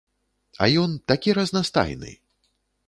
А ён такі разнастайны!